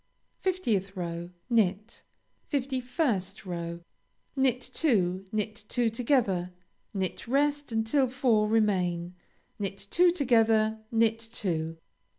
50th row Knit. 51st row Knit two; knit two together; knit rest until four remain; knit two together; knit two.